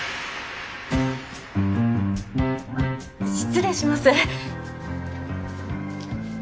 失礼します。